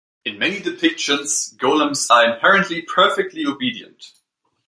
In many depictions Golems are inherently perfectly obedient.